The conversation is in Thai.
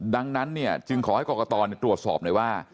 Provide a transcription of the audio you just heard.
ดังนั้นจึงขอให้กรกตตรวจสอบหน่อยว่า